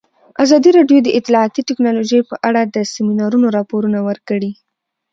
ازادي راډیو د اطلاعاتی تکنالوژي په اړه د سیمینارونو راپورونه ورکړي.